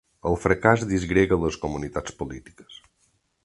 El fracàs disgrega les comunitats polítiques.